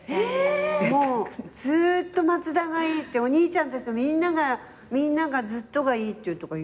もう「ずーっと松田がいい」って「お兄ちゃんたちとみんながずっとがいい」って言うの。